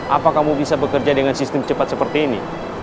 apa kamu bisa bekerja dengan sistem cepat seperti ini